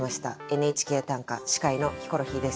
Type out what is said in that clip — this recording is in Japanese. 「ＮＨＫ短歌」司会のヒコロヒーです。